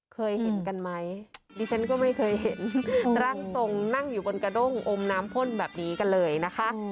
เคยเห็นกันไหมดิฉันก็ไม่เคยเห็นร่างทรงนั่งอยู่บนกระด้งอมน้ำพ่นแบบนี้กันเลยนะคะ